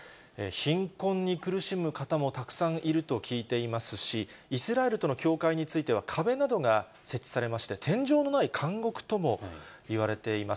貧困に苦しむ方もたくさんいると聞いていますし、イスラエルとの境界については、壁などが設置されまして、天井のない監獄ともいわれています。